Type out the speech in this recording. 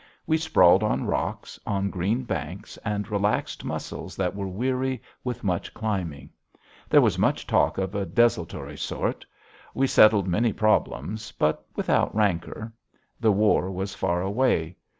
We sprawled on rocks, on green banks, and relaxed muscles that were weary with much climbing. There was much talk of a desultory sort. We settled many problems, but without rancor. The war was far away.